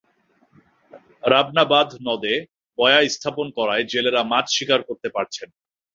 রাবনাবাদ নদে বয়া স্থাপন করায় জেলেরা মাছ শিকার করতে পারছেন না।